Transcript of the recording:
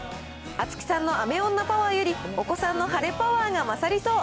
あつきさんの雨女パワーより、お子さんの晴れパワーが勝りそう。